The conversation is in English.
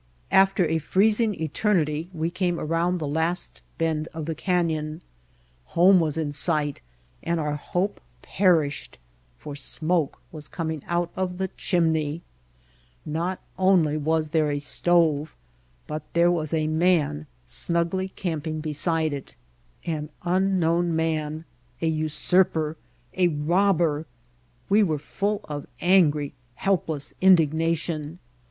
After a freezing eternity we came around the last bend of the canyon. Home was in sight, and our hope perished for smoke was coming out of the chimney! Not only was there a stove, but there was a man snugly camping beside it, an White Heart of Mojave unknown man, a usurper, a robber! We were full of angry, helpless indignation.